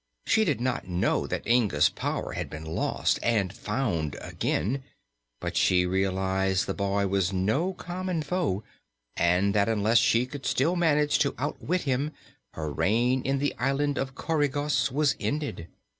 She did not know that Inga's power had been lost, and found again, but she realized the boy was no common foe and that unless she could still manage to outwit him her reign in the Island of Coregos was ended.